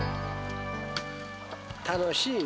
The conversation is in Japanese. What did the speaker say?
楽しいな。